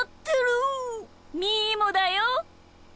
みーもだよ！